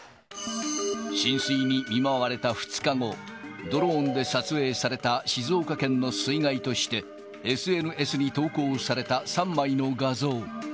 浸水に見舞われた２日後、ドローンで撮影された静岡県の水害として、ＳＮＳに投稿された３枚の画像。